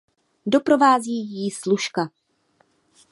Doprovází ji služka.